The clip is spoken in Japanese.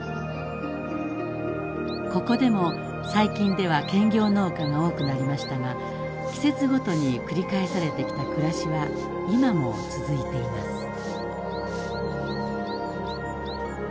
ここでも最近では兼業農家が多くなりましたが季節ごとに繰り返されてきた暮らしは今も続いています。